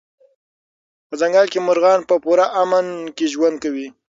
په ځنګل کې مرغان په پوره امن کې ژوند کوي.